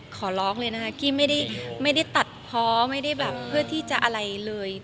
ขอร้องเลยนะคะกี้ไม่ได้ตัดเพาะไม่ได้แบบเพื่อที่จะอะไรเลย